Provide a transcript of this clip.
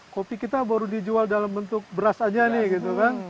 kopi kita baru dijual dalam bentuk beras aja nih gitu kan